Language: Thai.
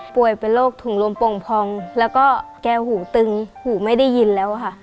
เป็นโรคถุงลมโป่งพองแล้วก็แกหูตึงหูไม่ได้ยินแล้วค่ะ